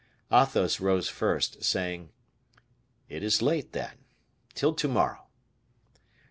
Athos rose first, saying, "it is late, then.... Till to morrow."